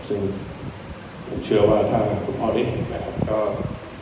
ซึ่งผมเชื่อว่าถ้าทางคุณพ่อได้เห็นนะครับก็